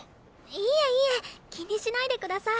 いえいえ気にしないでください。